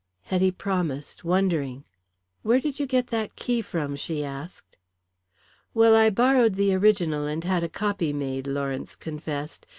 Hetty promised, wondering. "Where did you get that key from?" she asked. "Well, I borrowed the original and had a copy made," Lawrence confessed.